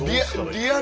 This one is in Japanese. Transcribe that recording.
リアル。